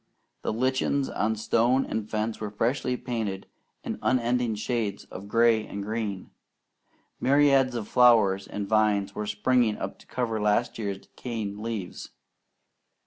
The lichens on stone and fence were freshly painted in unending shades of gray and green. Myriads of flowers and vines were springing up to cover last year's decaying leaves.